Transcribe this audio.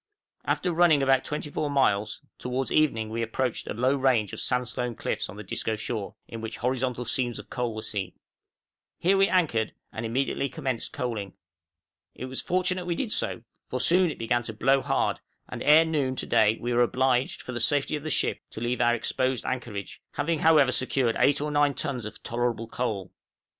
After running about 24 miles, towards evening we approached a low range of sandstone cliffs on the Disco shore, in which horizontal seams of coal were seen. Here we anchored, and immediately commenced coaling. It was fortunate we did so, for soon it began to blow hard; and ere noon to day we were obliged, for the safety of the ship, to leave our exposed anchorage, having however secured eight or nine tons of tolerable coal.